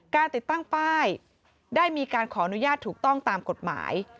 ติดตั้งป้ายได้มีการขออนุญาตถูกต้องตามกฎหมาย